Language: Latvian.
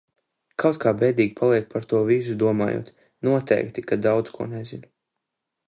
Kaut kā bēdīgi paliek par to visu domājot. Noteikti, ka daudz ko nezinu.